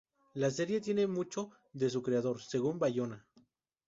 La serie tiene mucho de su creador, según Bayona.